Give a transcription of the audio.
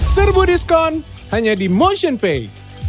serbu diskon hanya di motionpay